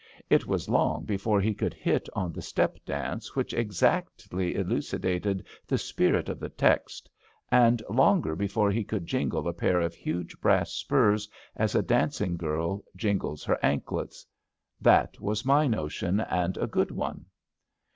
It was long before he could hit on the step dance which exactly elucidated the spirit of the text, and longer before he could jingle a pair of huge brass spurs as a dancing girl jingles her anklets. That was my notion, and a good one.